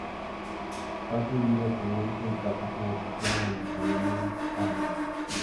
Fue ascendido a teniente y pasó como oficial a la cañonera "Paraná".